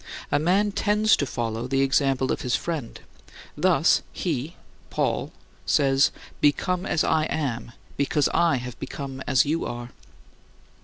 A man tends to follow the example of his friend. Thus, he [Paul] says, "Become as I am, because I have become as you are."